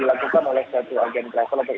dilakukan oleh satu agen travel atau